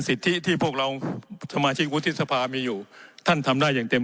สิทธิที่พวกเราสมาชิกวุฒิสภามีอยู่ท่านทำได้อย่างเต็ม